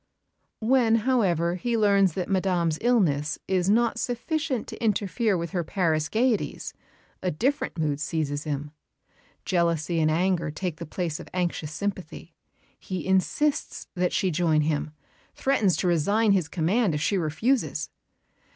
When, however, he learns that Madame's illness is not sufficient to interfere with her Paris gaieties, a different mood seizes him. Jealousy and anger take the place of anxious sympathy. He insists that she shall join him threatens to resign his command if she refuses.